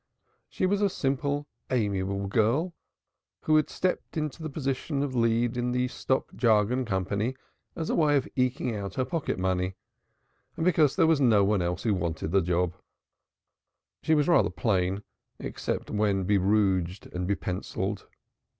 She was a simple, amiable girl, who had stepped into the position of lead in the stock jargon company as a way of eking out her pocket money, and because there was no one else who wanted the post. She was rather plain except when be rouged and be pencilled.